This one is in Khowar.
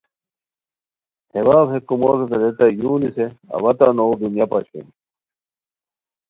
ہے واؤ ہے کوموروتے ریتائے یو نیسے اوا تہ نوغ دنیا پاشئیم